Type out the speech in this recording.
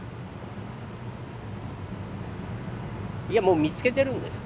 いやもう見つけてるんです。